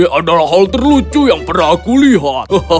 ini adalah hal terlucu yang pernah aku lihat